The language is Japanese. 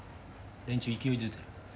連中勢いづいてる。